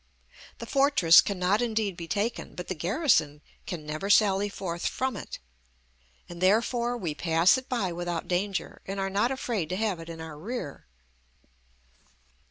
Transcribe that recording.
The fortress cannot indeed be taken, but the garrison can never sally forth from it, and therefore we pass it by without danger, and are not afraid to have it in our rear.